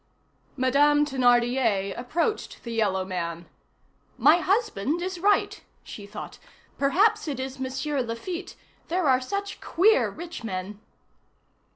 Madame Thénardier approached the yellow man; "My husband is right," she thought; "perhaps it is M. Laffitte; there are such queer rich men!"